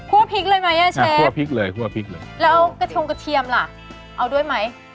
คั่วพริกเลยไหมอะเชฟคั่วพริกเลยแล้วกะเทียมล่ะเอาด้วยไหม